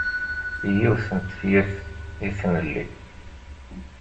Yiwet n tefyirt i tnelli.